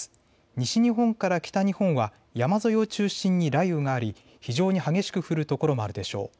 西日本から北日本は山沿いを中心に雷雨があり非常に激しく降る所もあるでしょう。